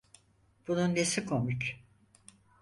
Bunun nesi komik?